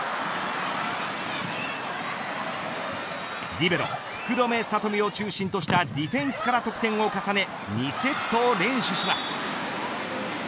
リベロ、福留慧美を中心としたディフェンスから得点を重ね２セットを連取します。